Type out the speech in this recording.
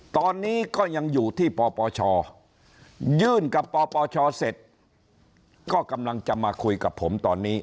ตอนนี้ก็ยังอยู่ที่ปปชยื่นกับปปชเสร็จก็กำลังจะมาคุยกับผมตอนนี้